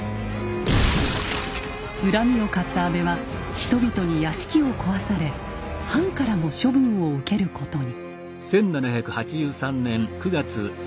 恨みを買った安倍は人々に屋敷を壊され藩からも処分を受けることに。